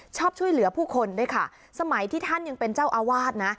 ชอบช่วยเหลือผู้คนด้วยค่ะสมัยที่ท่านยังเป็นเจ้าอาวาสนะ